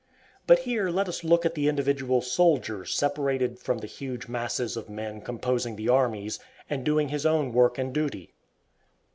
But here let us look at the individual soldier separated from the huge masses of men composing the armies, and doing his own work and duty.